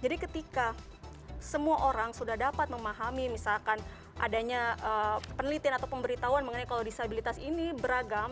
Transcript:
jadi ketika semua orang sudah dapat memahami misalkan adanya penelitian atau pemberitahuan mengenai kalau disabilitas ini beragam